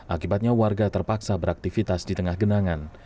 akibatnya warga terpaksa beraktivitas di tengah genangan